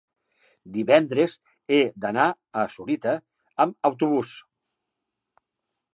Divendres he d'anar a Sorita amb autobús.